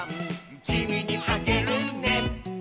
「きみにあげるね」